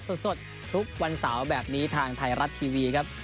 สดทุกวันเสาร์แบบนี้ทางไทยรัฐทีวีครับ